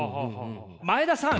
前田さん